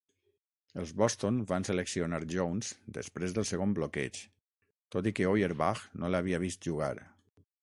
Els Boston van seleccionar Jones després del segon bloqueig, tot i que Auerbach no l'havia vist jugar.